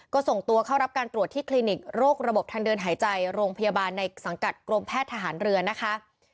ก็ส่งตัวเข้ารับการตรวจที่คลินิกโรคระบบทางเดินหายใจโรงพยาบาลในสังกัดกรมแพทย์ทหารเรือนะคะ